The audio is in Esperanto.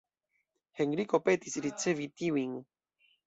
Henriko petis ricevi tiujn.